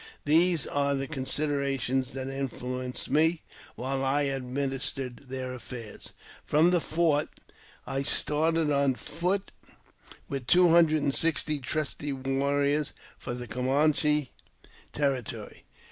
These are the considerations that influenced me while I ministered their affairs. From the fort I started on foot with two hundred and sixt trusty warriors for the Camanche territory.